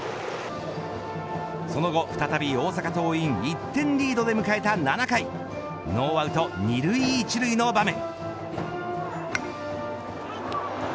その後再び大阪桐蔭１点リードで迎えた７回ノーアウト２塁１塁の場面。